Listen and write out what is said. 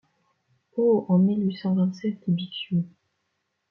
Oh ! en mille huit cent vingt-sept, dit Bixiou.